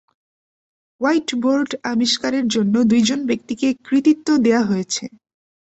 White board আবিষ্কারের জন্য দুইজন ব্যক্তিকে কৃতিত্ব দেয়া হয়েছে।